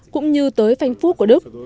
cũng như tới phanh phúc của đức